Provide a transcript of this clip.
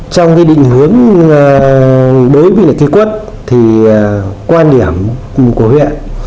trong cái định hướng đối với cái quất thì quan điểm của huyện là